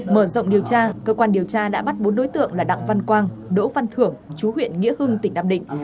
mở rộng điều tra cơ quan điều tra đã bắt bốn đối tượng là đặng văn quang đỗ văn thưởng chú huyện nghĩa hưng tỉnh nam định